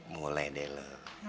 mulai deh lo